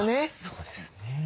そうですね。